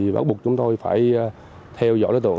bắt buộc chúng tôi phải theo dõi đối tượng